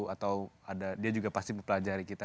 atau ada dia juga pasti mempelajari kita